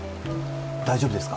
大丈夫ですか？